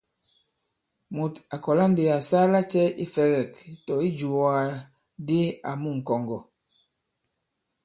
Mùt à kɔ̀la ndī à saa lacɛ̄ ifɛ̄gɛ̂k- tɔ̀ ijùwàgàdi àmu ŋ̀kɔ̀ŋgɔ̀ ?